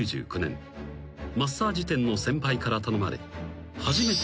マッサージ店の先輩から頼まれ］